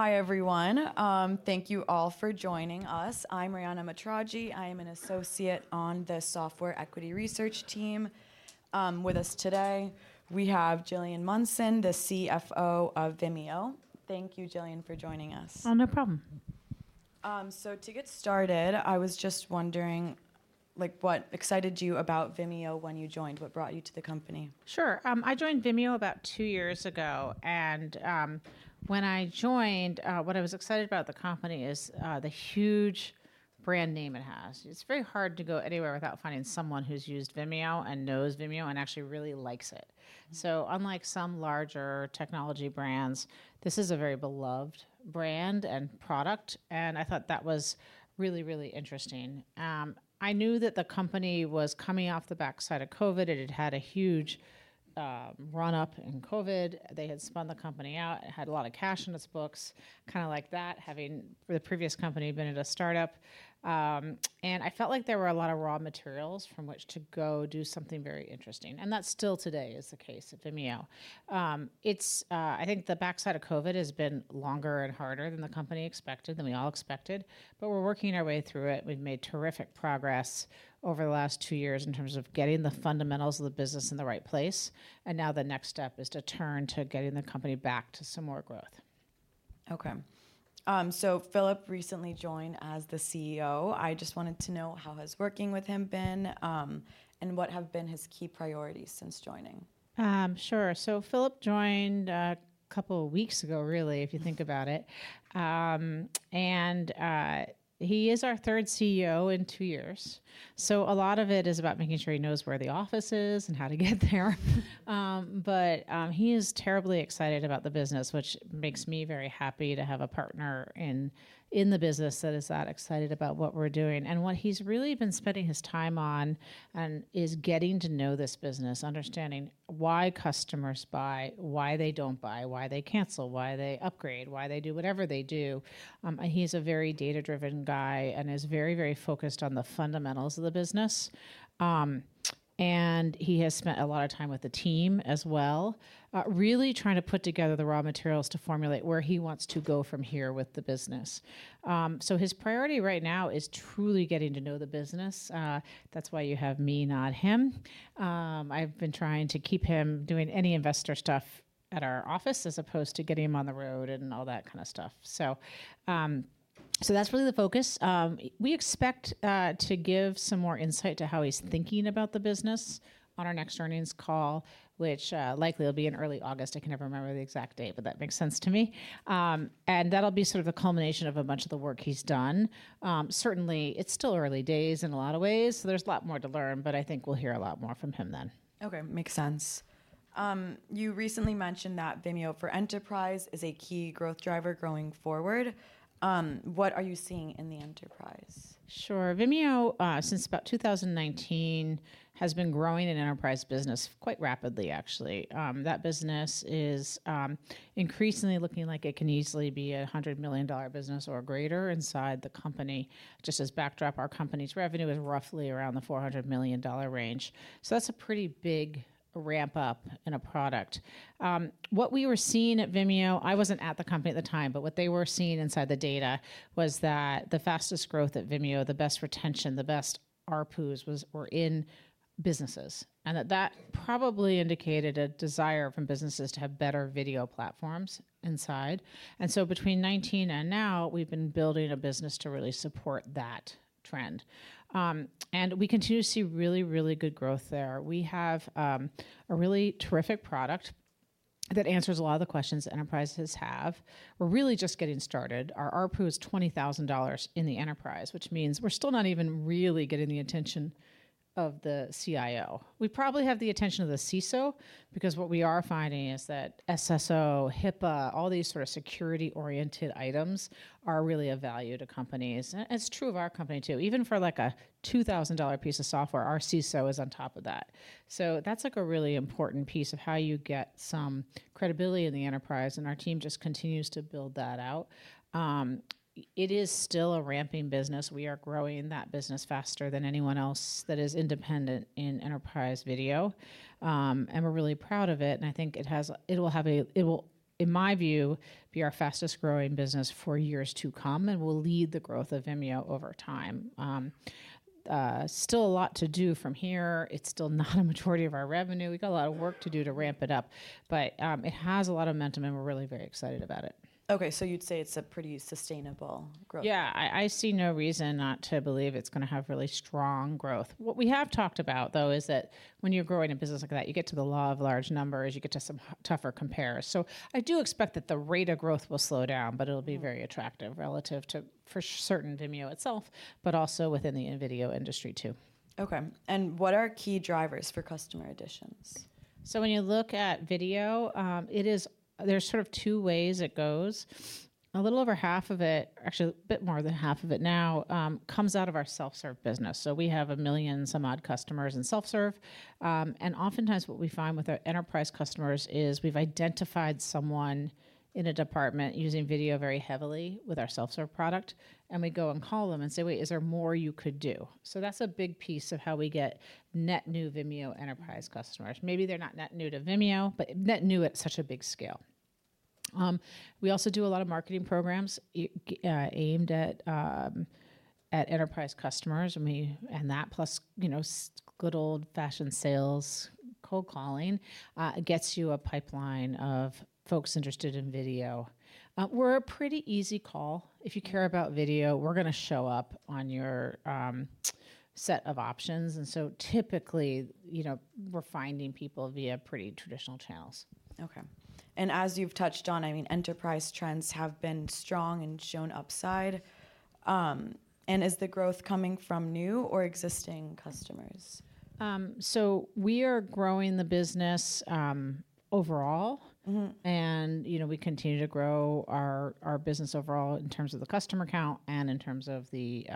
Hi, everyone. Thank you all for joining us. I'm Riana Matragis. I am an associate on the Software Equity Research team. With us today, we have Gillian Munson, the CFO of Vimeo. Thank you, Gillian, for joining us. Oh, no problem. So to get started, I was just wondering, like, what excited you about Vimeo when you joined? What brought you to the company? Sure. I joined Vimeo about two years ago, and, when I joined, what I was excited about the company is, the huge brand name it has. It's very hard to go anywhere without finding someone who's used Vimeo and knows Vimeo and actually really likes it. So unlike some larger technology brands, this is a very beloved brand and product, and I thought that was really, really interesting. I knew that the company was coming off the backside of COVID, and it had a huge, run-up in COVID. They had spun the company out. It had a lot of cash in its books, kinda like that, having the previous company been at a startup. And I felt like there were a lot of raw materials from which to go do something very interesting, and that still today is the case at Vimeo. I think the backside of COVID has been longer and harder than the company expected, than we all expected, but we're working our way through it. We've made terrific progress over the last two years in terms of getting the fundamentals of the business in the right place, and now the next step is to turn to getting the company back to some more growth. Okay. So Philip recently joined as the CEO. I just wanted to know, how has working with him been, and what have been his key priorities since joining? Sure. So Philip joined a couple of weeks ago, really, if you think about it. And he is our third CEO in two years, so a lot of it is about making sure he knows where the office is and how to get there. But he is terribly excited about the business, which makes me very happy to have a partner in, in the business that is that excited about what we're doing. And what he's really been spending his time on and is getting to know this business, understanding why customers buy, why they don't buy, why they cancel, why they upgrade, why they do whatever they do. He's a very data-driven guy and is very, very focused on the fundamentals of the business. He has spent a lot of time with the team as well, really trying to put together the raw materials to formulate where he wants to go from here with the business. So his priority right now is truly getting to know the business. That's why you have me, not him. I've been trying to keep him doing any investor stuff at our office, as opposed to getting him on the road and all that kind of stuff. So that's really the focus. We expect to give some more insight to how he's thinking about the business on our next earnings call, which likely will be in early August. I can never remember the exact date, but that makes sense to me. And that'll be sort of a culmination of a bunch of the work he's done. Certainly, it's still early days in a lot of ways, so there's a lot more to learn, but I think we'll hear a lot more from him then. Okay, makes sense. You recently mentioned that Vimeo for Enterprise is a key growth driver going forward. What are you seeing in the Enterprise? Sure. Vimeo, since about 2019, has been growing an Enterprise business quite rapidly, actually. That business is increasingly looking like it can easily be a $100 million business or greater inside the company. Just as backdrop, our company's revenue is roughly around the $400 million range. So that's a pretty big ramp-up in a product. What we were seeing at Vimeo, I wasn't at the company at the time, but what they were seeing inside the data was that the fastest growth at Vimeo, the best retention, the best ARPUs, was, were in businesses, and that that probably indicated a desire from businesses to have better video platforms inside. And so between 2019 and now, we've been building a business to really support that trend. And we continue to see really, really good growth there. We have a really terrific product that answers a lot of the questions enterprises have. We're really just getting started. Our ARPU is $20,000 in the enterprise, which means we're still not even really getting the attention of the CIO. We probably have the attention of the CISO, because what we are finding is that SSO, HIPAA, all these sort of security-oriented items are really of value to companies. And it's true of our company, too. Even for, like, a $2,000 piece of software, our CISO is on top of that. So that's, like, a really important piece of how you get some credibility in the enterprise, and our team just continues to build that out. It is still a ramping business. We are growing that business faster than anyone else that is independent in enterprise video. We're really proud of it, and I think it will, in my view, be our fastest growing business for years to come and will lead the growth of Vimeo over time. Still a lot to do from here. It's still not a majority of our revenue. We've got a lot of work to do to ramp it up, but it has a lot of momentum, and we're really very excited about it. Okay, so you'd say it's a pretty sustainable growth? Yeah. I see no reason not to believe it's gonna have really strong growth. What we have talked about, though, is that when you're growing a business like that, you get to the law of large numbers, you get to some tougher compares. So I do expect that the rate of growth will slow down, but it'll be very attractive relative to, for certain, Vimeo itself, but also within the video industry, too. Okay. What are key drivers for customer additions? So when you look at video, it is. There's sort of two ways it goes. A little over half of it, actually, a bit more than half of it now, comes out of our self-serve business. So we have 1 million-some-odd customers in self-serve. And oftentimes, what we find with our Enterprise customers is, we've identified someone in a department using video very heavily with our self-serve product, and we go and call them and say: "Wait, is there more you could do?" So that's a big piece of how we get net new Vimeo Enterprise customers. Maybe they're not net new to Vimeo, but net new at such a big scale.... We also do a lot of marketing programs aimed at enterprise customers, and that plus, you know, good old-fashioned sales, cold calling, gets you a pipeline of folks interested in video. We're a pretty easy call. If you care about video, we're gonna show up on your set of options, and so typically, you know, we're finding people via pretty traditional channels. Okay. As you've touched on, I mean, enterprise trends have been strong and shown upside. Is the growth coming from new or existing customers? We are growing the business, overall. Mm-hmm. You know, we continue to grow our business overall in terms of the customer count and in terms of the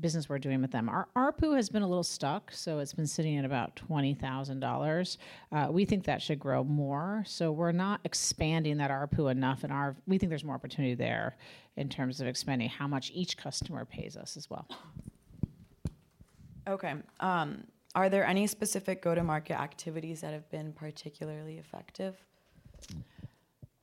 business we're doing with them. Our ARPU has been a little stuck, so it's been sitting at about $20,000. We think that should grow more, so we're not expanding that ARPU enough, and we think there's more opportunity there in terms of expanding how much each customer pays us as well. Okay, are there any specific go-to-market activities that have been particularly effective?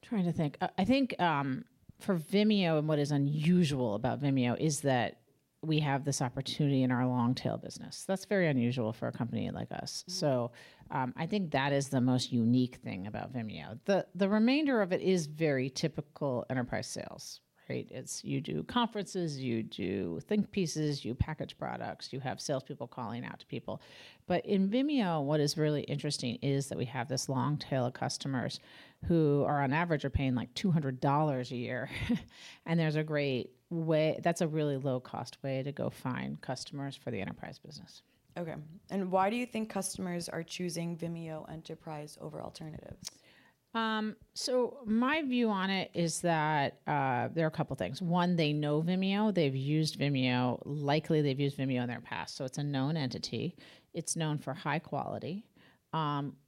Trying to think. I think, for Vimeo, and what is unusual about Vimeo is that we have this opportunity in our long-tail business. That's very unusual for a company like us. Mm. So, I think that is the most unique thing about Vimeo. The remainder of it is very typical enterprise sales, right? It's you do conferences, you do think pieces, you package products, you have salespeople calling out to people. But in Vimeo, what is really interesting is that we have this long tail of customers who are, on average, paying, like, $200 a year. That's a really low-cost way to go find customers for the enterprise business. Okay, and why do you think customers are choosing Vimeo Enterprise over alternatives? So my view on it is that, there are a couple things. One, they know Vimeo, they've used Vimeo, likely they've used Vimeo in their past, so it's a known entity. It's known for high quality.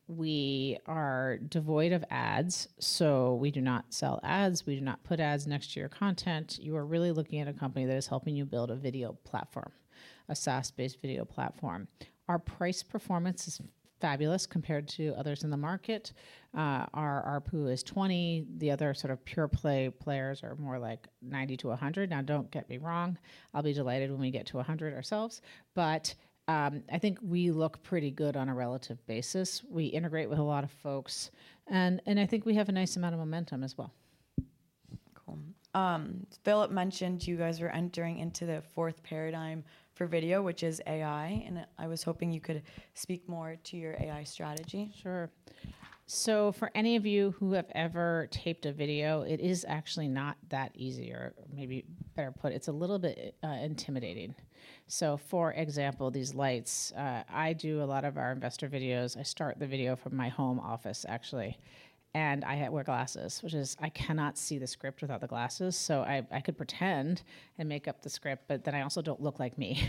We are devoid of ads, so we do not sell ads. We do not put ads next to your content. You are really looking at a company that is helping you build a video platform, a SaaS-based video platform. Our price performance is fabulous compared to others in the market. Our ARPU is $20. The other sort of pure-play players are more like $90-$100. Now, don't get me wrong, I'll be delighted when we get to $100 ourselves, but, I think we look pretty good on a relative basis. We integrate with a lot of folks, and I think we have a nice amount of momentum as well. Cool. Philip mentioned you guys were entering into the fourth paradigm for video, which is AI, and I was hoping you could speak more to your AI strategy. Sure. So for any of you who have ever taped a video, it is actually not that easy, or maybe better put, it's a little bit, intimidating. So, for example, these lights, I do a lot of our investor videos. I start the video from my home office, actually, and I wear glasses, which is... I cannot see the script without the glasses, so I could pretend and make up the script, but then I also don't look like me.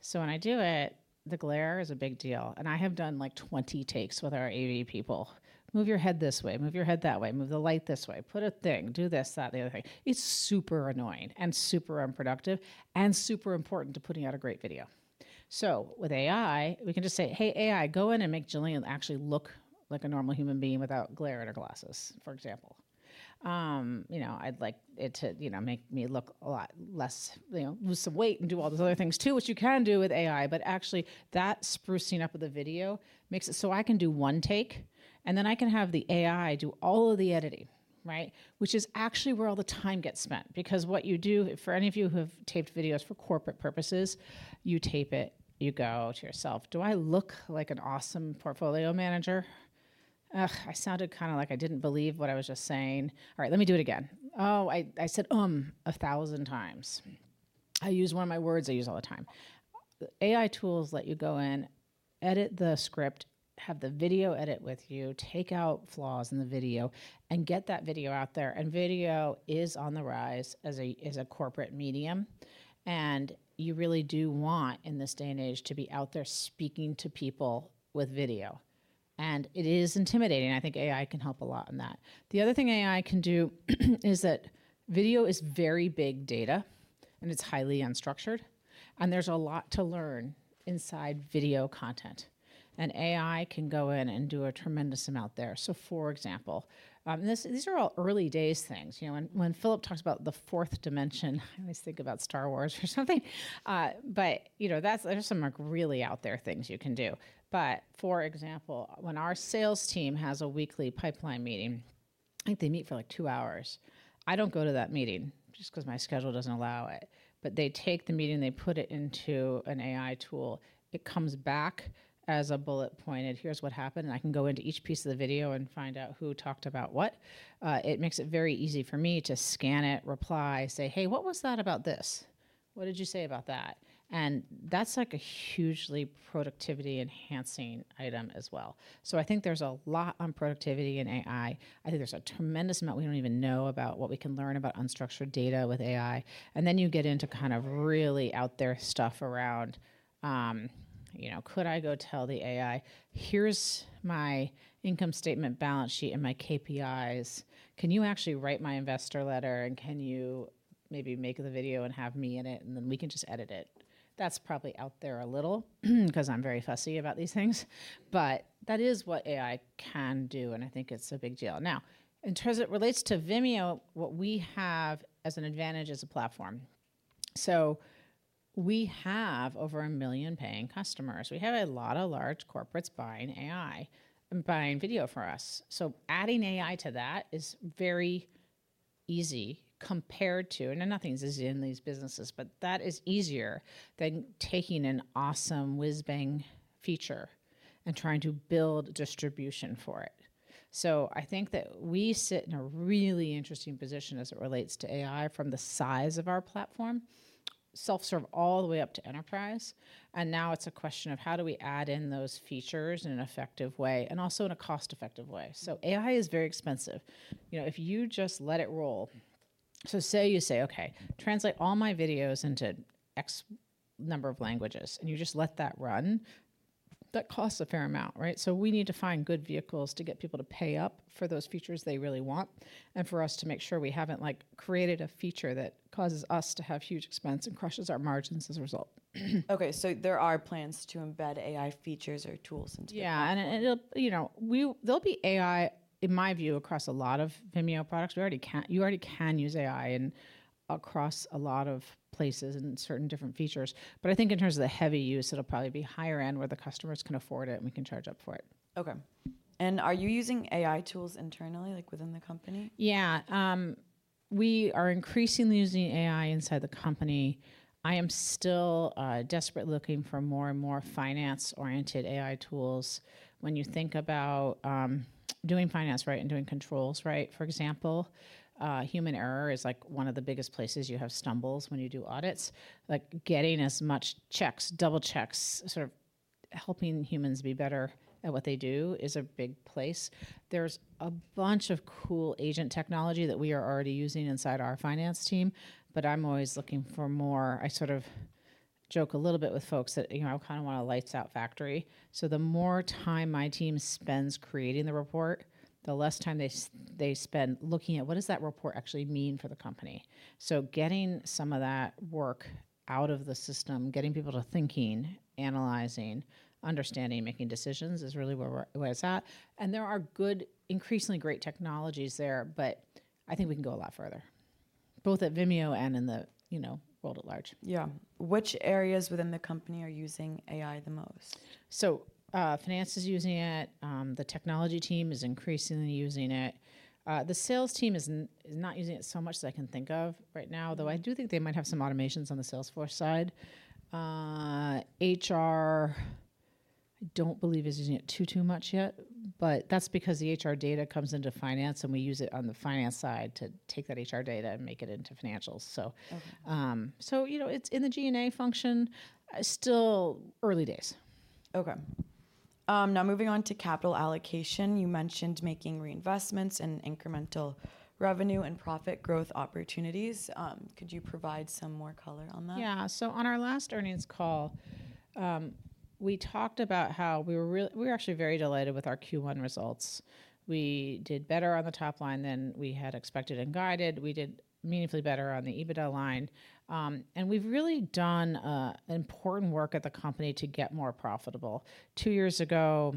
So when I do it, the glare is a big deal, and I have done, like, 20 takes with our AV people. "Move your head this way. Move your head that way. Move the light this way. Put a thing. Do this, that, and the other thing." It's super annoying, and super unproductive, and super important to putting out a great video. So with AI, we can just say, "Hey, AI, go in and make Gillian actually look like a normal human being without glare in her glasses," for example. You know, I'd like it to, you know, make me look a lot less, you know, lose some weight and do all those other things, too, which you can do with AI. But actually, that sprucing up of the video makes it so I can do one take, and then I can have the AI do all of the editing, right? Which is actually where all the time gets spent because what you do, for any of you who have taped videos for corporate purposes, you tape it, you go to yourself: "Do I look like an awesome portfolio manager? Ugh, I sounded kind of like I didn't believe what I was just saying. All right, let me do it again. Oh, I said, 'um,' 1,000 times." I use one of my words I use all the time. AI tools let you go in, edit the script, have the video edit with you, take out flaws in the video, and get that video out there. Video is on the rise as a corporate medium, and you really do want, in this day and age, to be out there speaking to people with video. It is intimidating, and I think AI can help a lot in that. The other thing AI can do is that video is very big data, and it's highly unstructured, and there's a lot to learn inside video content. AI can go in and do a tremendous amount there. So, for example, these are all early days things. You know, when Philip talks about the fourth dimension, I always think about Star Wars or something. But, you know, that's. There are some, like, really out there things you can do. But, for example, when our sales team has a weekly pipeline meeting, I think they meet for, like, 2 hours. I don't go to that meeting just 'cause my schedule doesn't allow it. But they take the meeting, they put it into an AI tool, it comes back as a bullet point, and here's what happened, and I can go into each piece of the video and find out who talked about what. It makes it very easy for me to scan it, reply, say: "Hey, what was that about this? What did you say about that?" And that's, like, a hugely productivity-enhancing item as well. So I think there's a lot on productivity in AI. I think there's a tremendous amount we don't even know about what we can learn about unstructured data with AI. And then you get into kind of really out there stuff around, you know, could I go tell the AI: "Here's my income statement, balance sheet, and my KPIs. Can you actually write my investor letter, and can you maybe make the video and have me in it, and then we can just edit it?" That's probably out there a little, 'cause I'm very fussy about these things, but that is what AI can do, and I think it's a big deal. Now, in terms as it relates to Vimeo, what we have as an advantage as a platform, we have over 1 million paying customers. We have a lot of large corporates buying AI and buying video from us. So adding AI to that is very easy compared to, and nothing's easy in these businesses, but that is easier than taking an awesome whiz-bang feature and trying to build distribution for it. So I think that we sit in a really interesting position as it relates to AI from the size of our platform, self-serve all the way up to enterprise, and now it's a question of how do we add in those features in an effective way, and also in a cost-effective way? So AI is very expensive, you know, if you just let it roll. So say you say, "Okay, translate all my videos into X number of languages," and you just let that run, that costs a fair amount, right? So we need to find good vehicles to get people to pay up for those features they really want, and for us to make sure we haven't, like, created a feature that causes us to have huge expense and crushes our margins as a result. Okay, so there are plans to embed AI features or tools into- Yeah, and it'll, you know, there'll be AI, in my view, across a lot of Vimeo products. You already can use AI across a lot of places and certain different features, but I think in terms of the heavy use, it'll probably be higher end, where the customers can afford it, and we can charge up for it. Okay. Are you using AI tools internally, like within the company? Yeah. We are increasingly using AI inside the company. I am still desperate, looking for more and more finance-oriented AI tools. When you think about doing finance right and doing controls right, for example, human error is, like, one of the biggest places you have stumbles when you do audits. Like, getting as much checks, double checks, sort of helping humans be better at what they do is a big place. There's a bunch of cool agent technology that we are already using inside our finance team, but I'm always looking for more. I sort of joke a little bit with folks that, you know, I kind of want a lights-out factory. So the more time my team spends creating the report, the less time they spend looking at what that report actually means for the company? So getting some of that work out of the system, getting people to thinking, analyzing, understanding, and making decisions is really where it's at. And there are good, increasingly great technologies there, but I think we can go a lot further, both at Vimeo and in the, you know, world at large. Yeah. Which areas within the company are using AI the most? So, finance is using it. The technology team is increasingly using it. The sales team is not using it so much as I can think of right now, though I do think they might have some automations on the Salesforce side. HR, I don't believe is using it too much yet, but that's because the HR data comes into finance, and we use it on the finance side to take that HR data and make it into financials. So- Okay. You know, it's in the G&A function, still early days. Okay. Now moving on to capital allocation. You mentioned making reinvestments and incremental revenue and profit growth opportunities. Could you provide some more color on that? Yeah. So on our last earnings call, we talked about how we were actually very delighted with our Q1 results. We did better on the top line than we had expected and guided. We did meaningfully better on the EBITDA line. We've really done important work at the company to get more profitable. Two years ago,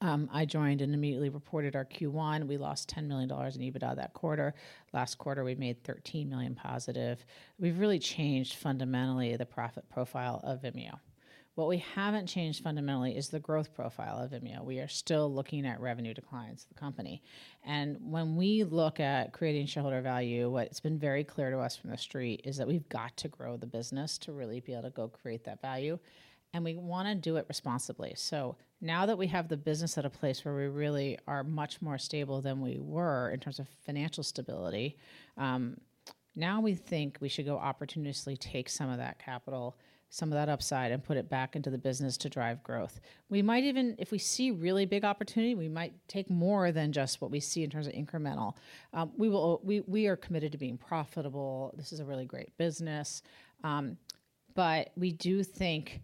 I joined and immediately reported our Q1. We lost $10 million in EBITDA that quarter. Last quarter, we made $13 million positive. We've really changed fundamentally the profit profile of Vimeo. What we haven't changed fundamentally is the growth profile of Vimeo. We are still looking at revenue declines of the company, and when we look at creating shareholder value, what's been very clear to us from the street is that we've got to grow the business to really be able to go create that value, and we wanna do it responsibly. So now that we have the business at a place where we really are much more stable than we were in terms of financial stability, now we think we should go opportunistically take some of that capital, some of that upside, and put it back into the business to drive growth. We might even... If we see really big opportunity, we might take more than just what we see in terms of incremental. We are committed to being profitable. This is a really great business, but we do think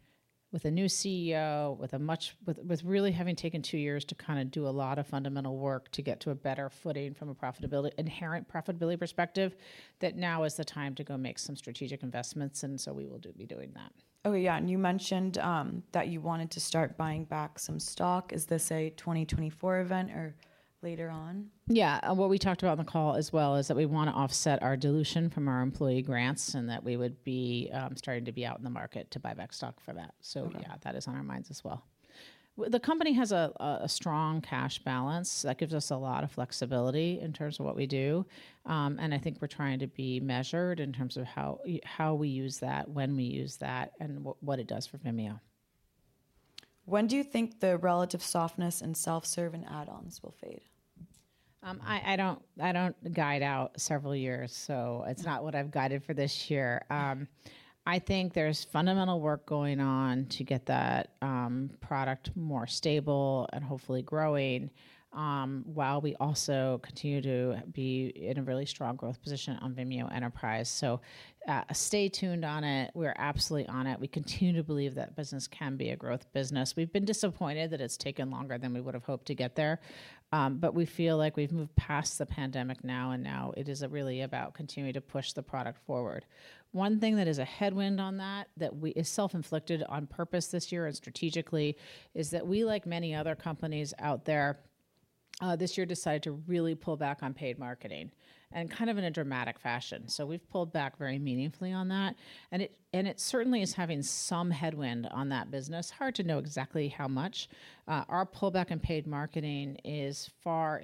with a new CEO, with really having taken two years to kind of do a lot of fundamental work to get to a better footing from a profitability, inherent profitability perspective, that now is the time to go make some strategic investments, and so we will be doing that. Oh, yeah, and you mentioned that you wanted to start buying back some stock. Is this a 2024 event or later on? Yeah. What we talked about on the call as well, is that we want to offset our dilution from our employee grants, and that we would be, starting to be out in the market to buy back stock for that. Okay. So yeah, that is on our minds as well. The company has a strong cash balance that gives us a lot of flexibility in terms of what we do, and I think we're trying to be measured in terms of how, how we use that, when we use that, and what, what it does for Vimeo. When do you think the relative softness in self-serve and add-ons will fade? I don't guide out several years, so- Yeah... it's not what I've guided for this year. I think there's fundamental work going on to get that, product more stable and hopefully growing, while we also continue to be in a really strong growth position on Vimeo Enterprise. So, stay tuned on it. We're absolutely on it. We continue to believe that business can be a growth business. We've been disappointed that it's taken longer than we would've hoped to get there, but we feel like we've moved past the pandemic now, and now it is really about continuing to push the product forward. One thing that is a headwind on that, that we is self-inflicted on purpose this year and strategically, is that we, like many other companies out there, this year decided to really pull back on paid marketing, and kind of in a dramatic fashion. So we've pulled back very meaningfully on that, and it certainly is having some headwind on that business. Hard to know exactly how much. Our pullback in paid marketing is far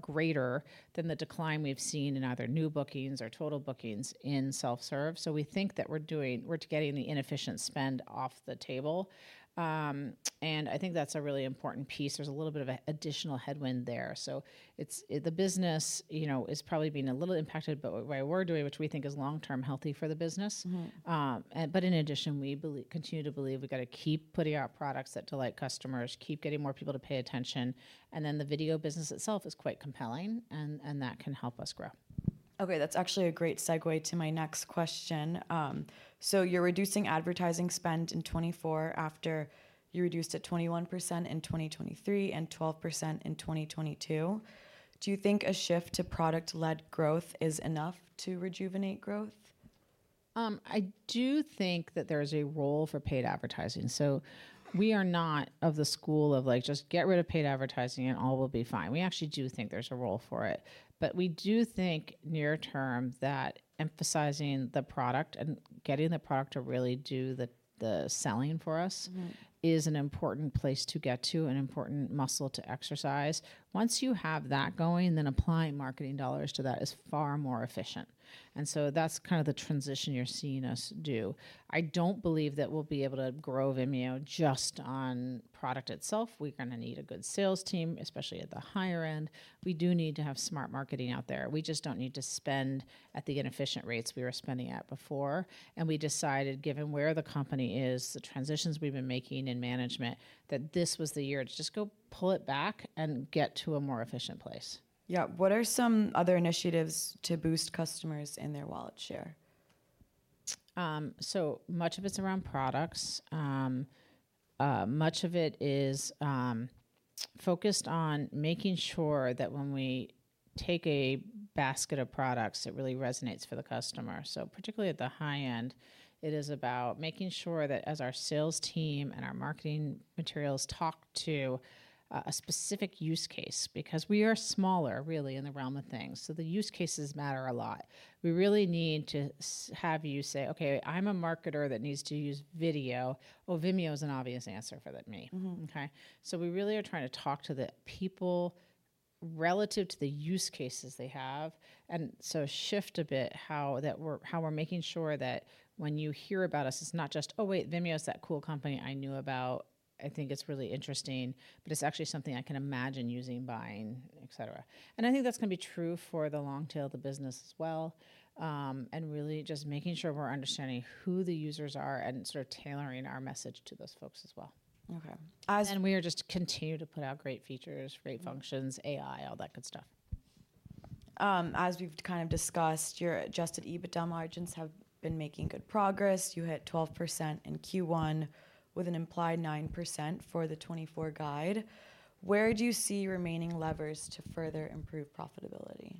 greater than the decline we've seen in either new bookings or total bookings in self-serve. So we think that we're getting the inefficient spend off the table. And I think that's a really important piece. There's a little bit of an additional headwind there. So it's the business, you know, is probably being a little impacted by what we're doing, which we think is long-term healthy for the business. Mm-hmm. But in addition, we continue to believe we've gotta keep putting out products that delight customers, keep getting more people to pay attention, and then the video business itself is quite compelling, and that can help us grow. Okay, that's actually a great segue to my next question. You're reducing advertising spend in 2024 after you reduced it 21% in 2023, and 12% in 2022. Do you think a shift to product-led growth is enough to rejuvenate growth? I do think that there's a role for paid advertising. So we are not of the school of, like, just get rid of paid advertising, and all will be fine. We actually do think there's a role for it. But we do think near term, that emphasizing the product and getting the product to really do the selling for us- Mm-hmm... is an important place to get to, an important muscle to exercise. Once you have that going, then applying marketing dollars to that is far more efficient, and so that's kind of the transition you're seeing us do. I don't believe that we'll be able to grow Vimeo just on product itself. We're gonna need a good sales team, especially at the higher end. We do need to have smart marketing out there. We just don't need to spend at the inefficient rates we were spending at before. And we decided, given where the company is, the transitions we've been making in management, that this was the year to just go pull it back and get to a more efficient place. Yeah. What are some other initiatives to boost customers and their wallet share? So much of it's around products. Much of it is focused on making sure that when we take a basket of products, it really resonates for the customer. So particularly at the high end, it is about making sure that as our sales team and our marketing materials talk to a specific use case, because we are smaller, really, in the realm of things, so the use cases matter a lot. We really need to have you say, "Okay, I'm a marketer that needs to use video." Well, Vimeo is an obvious answer for that me. Mm-hmm. Okay? So we really are trying to talk to the people relative to the use cases they have, and so shift a bit how we're making sure that when you hear about us, it's not just: "Oh, wait, Vimeo is that cool company I knew about. I think it's really interesting, but it's actually something I can imagine using, buying, et cetera." And I think that's gonna be true for the long tail of the business as well. And really just making sure we're understanding who the users are and sort of tailoring our message to those folks as well. Okay. As- We are just continue to put out great features, great functions- Mm-hmm... AI, all that good stuff. As we've kind of discussed, your adjusted EBITDA margins have been making good progress. You hit 12% in Q1 with an implied 9% for the 2024 guide. Where do you see remaining levers to further improve profitability?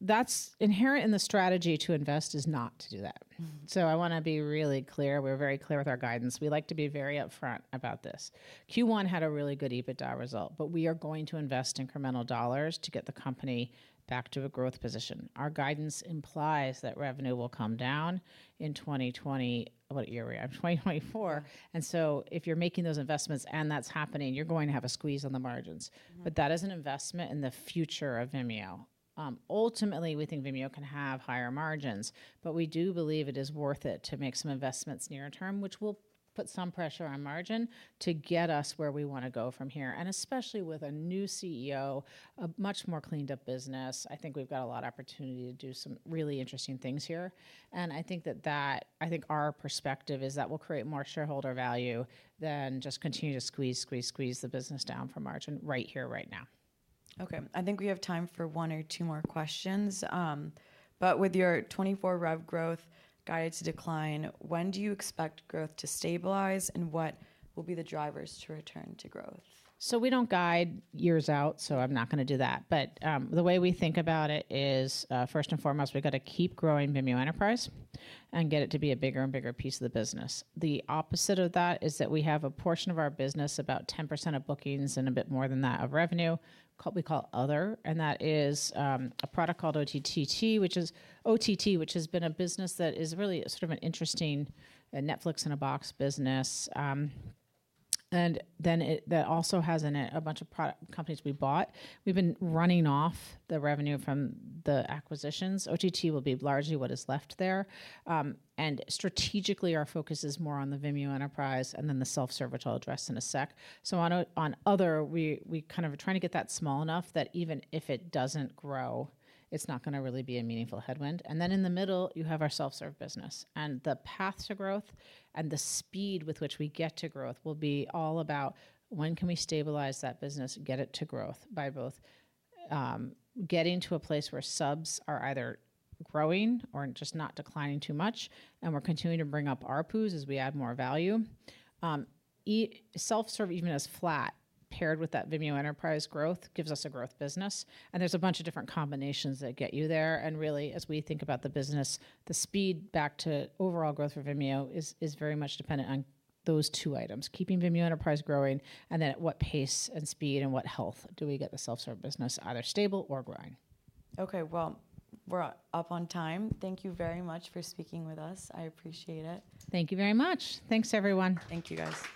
That's inherent in the strategy to invest is not to do that. Mm-hmm. So I wanna be really clear. We're very clear with our guidance. We like to be very upfront about this. Q1 had a really good EBITDA result, but we are going to invest incremental dollars to get the company back to a growth position. Our guidance implies that revenue will come down in 2020... What year we are? 2024. And so if you're making those investments and that's happening, you're going to have a squeeze on the margins. Mm-hmm. But that is an investment in the future of Vimeo. Ultimately, we think Vimeo can have higher margins, but we do believe it is worth it to make some investments near term, which will put some pressure on margin to get us where we wanna go from here. And especially with a new CEO, a much more cleaned up business, I think we've got a lot of opportunity to do some really interesting things here. And I think our perspective is that will create more shareholder value than just continue to squeeze, squeeze, squeeze the business down for margin right here, right now. Okay, I think we have time for one or two more questions. But with your 2024 rev growth guided to decline, when do you expect growth to stabilize, and what will be the drivers to return to growth? So we don't guide years out, so I'm not gonna do that. But, the way we think about it is, first and foremost, we've got to keep growing Vimeo Enterprise and get it to be a bigger and bigger piece of the business. The opposite of that is that we have a portion of our business, about 10% of bookings and a bit more than that of revenue, we call Other, and that is, a product called OTT, which has been a business that is really sort of an interesting, a Netflix-in-a-box business. And then it, it also has in it a bunch of product, companies we bought. We've been running off the revenue from the acquisitions. OTT will be largely what is left there. Strategically, our focus is more on the Vimeo Enterprise and then the self-serve, which I'll address in a sec. On Other, we kind of are trying to get that small enough that even if it doesn't grow, it's not gonna really be a meaningful headwind. Then in the middle, you have our self-serve business, and the path to growth and the speed with which we get to growth will be all about when can we stabilize that business and get it to growth by both getting to a place where subs are either growing or just not declining too much, and we're continuing to bring up ARPUs as we add more value. Self-serve, even as flat, paired with that Vimeo Enterprise growth, gives us a growth business, and there's a bunch of different combinations that get you there. Really, as we think about the business, the speed back to overall growth for Vimeo is very much dependent on those two items: keeping Vimeo Enterprise growing, and then at what pace and speed and what health do we get the self-serve business either stable or growing? Okay, well, we're up on time. Thank you very much for speaking with us. I appreciate it. Thank you very much. Thanks, everyone. Thank you, guys.